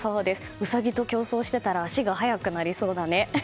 ウサギと競争してたら足が速くなりそうだね。